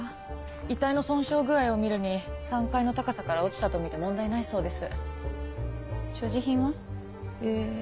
遺体の損傷具合を見るに３階の高さから落ちたとみて問題ないそうです。